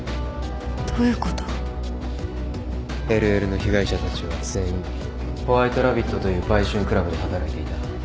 ＬＬの被害者たちは全員ホワイトラビットという売春クラブで働いていた。